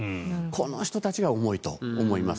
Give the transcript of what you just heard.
この人たちが重いと思います。